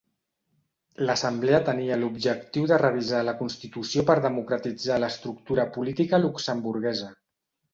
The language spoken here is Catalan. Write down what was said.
L'Assemblea tenia l'objectiu de revisar la Constitució per democratitzar l'estructura política luxemburguesa.